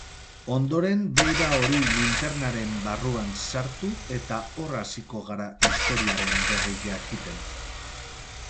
Ondoren beira hori linternaren barruan sartu eta hor hasiko gara istoriaren berri jakiten.